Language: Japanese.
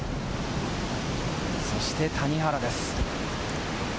そして谷原です。